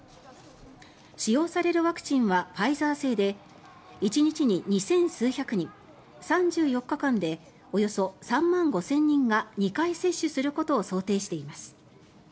使用されるワクチンはファイザー製で１日に２０００数百人３４日間でおよそ３万５０００人が２回接種することを想定しています。